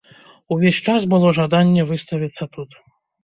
Увесь час было жаданне выставіцца тут.